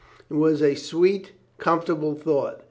It was a sweet, comfortable thought.